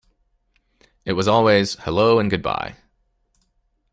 It was always 'hello and goodbye'.